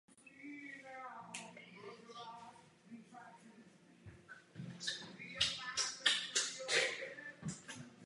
Zastavme se také na chvíli u Evropské centrální banky.